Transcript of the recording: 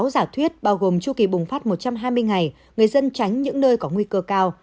sáu giả thuyết bao gồm chu kỳ bùng phát một trăm hai mươi ngày người dân tránh những nơi có nguy cơ cao